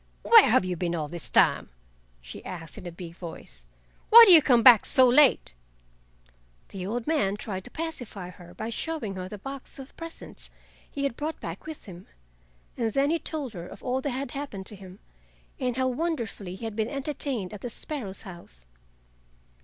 "Where have you been all this time?" she asked in a big voice. "Why do you come back so late?" The old man tried to pacify her by showing her the box of presents he had brought back with him, and then he told her of all that had happened to him, and how wonderfully he had been entertained at the sparrow's house.